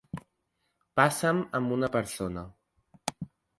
Passa'm amb una persona.